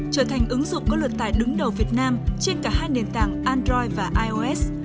trở thành ứng dụng có luật tài đứng đầu việt nam trên cả hai nền tảng android và ios